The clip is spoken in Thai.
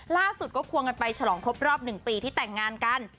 ล่าสุดก็ควงกันไปฉลองครบรอบ๑ปีที่แต่งงานกัน